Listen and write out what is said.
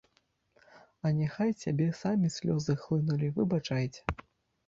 А няхай цябе, самі слёзы хлынулі, выбачайце.